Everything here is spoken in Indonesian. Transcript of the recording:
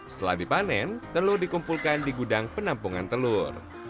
setelah dipanen telur dikumpulkan di gudang penampungan telur